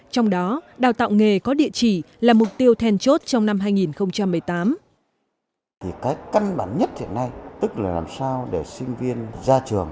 trong đó đào tạo nghề có địa chỉ là mục tiêu then chốt trong năm hai nghìn một mươi tám